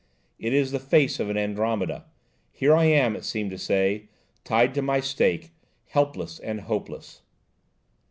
"It is the face of an Andromeda! 'here am I,' it seems to say, 'tied to my stake, helpless and hopeless.'"